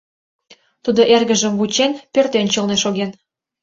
Тудо эргыжым вучен, пӧртӧнчылнӧ шоген.